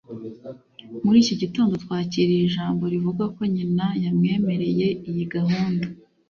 Muri iki gitondo, twakiriye ijambo rivuga ko nyina yamwemereye iyi gahunda.